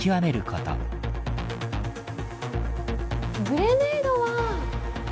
グレネードは。